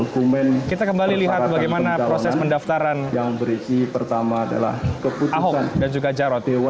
kita kembali lihat bagaimana proses pendaftaran ahok dan juga jarot